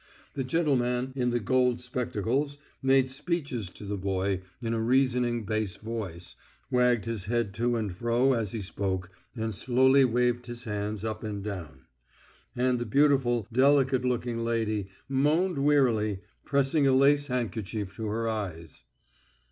The gentleman in the gold spectacles made speeches to the boy in a reasoning bass voice, wagged his head to and fro as he spoke, and slowly waved his hands up and down. And the beautiful, delicate looking lady moaned wearily, pressing a lace handkerchief to her eyes.